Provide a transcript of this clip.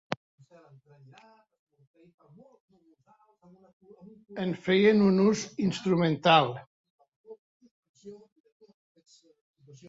En feien un ús instrumental.